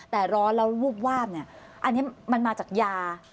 แต่ร้อนแล้ววูบวาบเนี่ยอันนี้มันมาจากยา